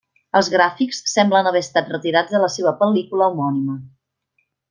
Els gràfics semblen haver estat retirats de la seva pel·lícula homònima.